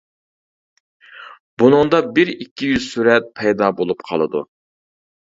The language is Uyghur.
بۇنىڭدا بىر-ئىككى يۈز سۈرەت پەيدا بولۇپ قالىدۇ.